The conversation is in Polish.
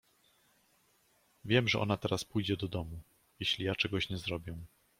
Wiem, że ona teraz pójdzie do domu, jeśli ja czegoś nie zrobię.